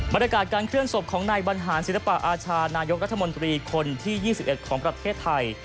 บรรยากาศการเคลื่อนศพของนายบรรหารศิลปะอาชานายกรัฐมนตรีคนที่๒๑ของประเทศไทย